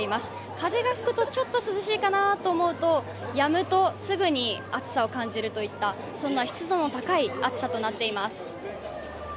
風が吹くとちょっと涼しいかなと思うと、やむとすぐに暑さを感じるといったそんな湿度の高い暑さとなっています。